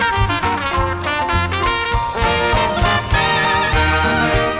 โปรดติดตามต่อไป